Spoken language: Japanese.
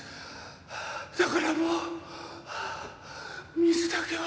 ハァだからもうハァ水だけは。